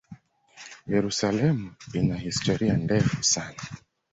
Yerusalemu ina historia ndefu sana.